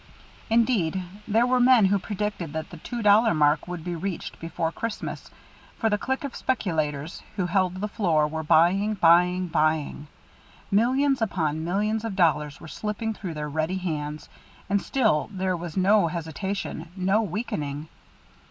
Indeed, there were men who predicted that the two dollar mark would be reached before Christmas, for the Clique of speculators who held the floor were buying, buying, buying millions upon millions of dollars were slipping through their ready hands, and still there was no hesitation, no weakening.